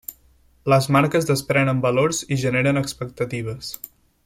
Les marques desprenen valors i generen expectatives.